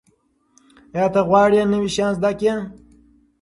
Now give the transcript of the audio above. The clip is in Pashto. ایا ته غواړې نوي شیان زده کړې؟